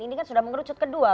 ini kan sudah mengerucut kedua